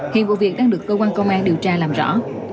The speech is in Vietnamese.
hiện vụ việc đang được công an công an điều tra làm rõ